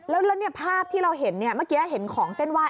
แล้วภาพที่เราเห็นเมื่อกี้เห็นของเส้นวาย